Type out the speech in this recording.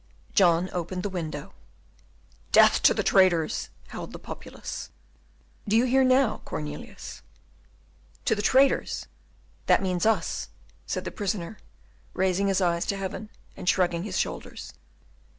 John opened the window. "Death to the traitors!" howled the populace. "Do you hear now, Cornelius?" "To the traitors! that means us!" said the prisoner, raising his eyes to heaven and shrugging his shoulders.